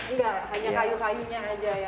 nggak hanya kayu kayunya aja yang